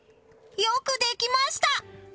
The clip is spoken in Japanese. よくできました！